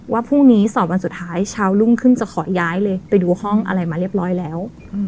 ว่าพรุ่งนี้สอบวันสุดท้ายเช้ารุ่งขึ้นจะขอย้ายเลยไปดูห้องอะไรมาเรียบร้อยแล้ว